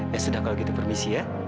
ya sudah kalau gitu permisi ya